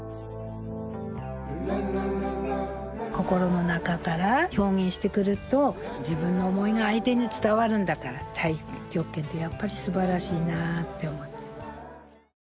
心の中から表現してくると自分の思いが相手に伝わるんだから太極拳ってやっぱり素晴らしいなって思って。